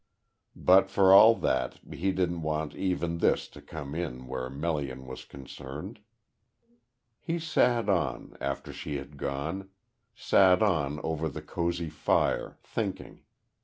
But for all that he didn't want even this to come in where Melian was concerned. He sat on, after she had gone, sat on over the cosy fire, thinking.